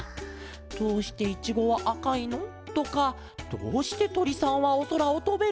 「どうしていちごはあかいの？」とか「どうしてとりさんはおそらをとべるの？」とか。